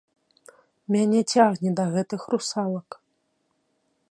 Мяне цягне да гэтых русалак.